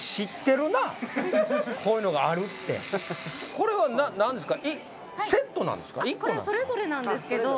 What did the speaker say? これは何ですか？